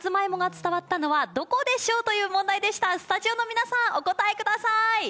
スタジオの皆さん、お答えください！